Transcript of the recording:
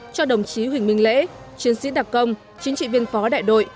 cho đồng chí huỳnh minh lễ chiến sĩ đặc công chính trị viên phó đại đội